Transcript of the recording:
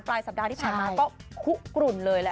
สัปดาห์ที่ผ่านมาก็คุกกลุ่นเลยแหละ